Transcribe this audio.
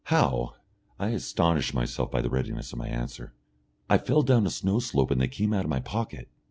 "How?" I astonish myself by the readiness of my answer. "I fell down a snow slope and they came out of my pocket."